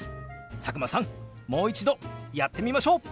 佐久間さんもう一度やってみましょう！